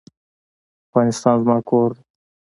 افغانستان زما کور دی